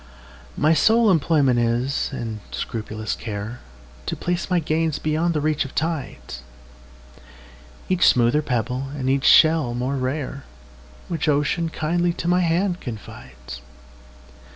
My sole employment is, and scrupulous care, To place my gains beyond the reach of tides,—Each smoother pebble, and each shell more rare, Which Ocean kindly to my hand confides.